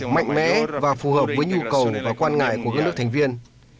mạnh mẽ và phù hợp với nhu cầu và quan ngại của các nước thành viên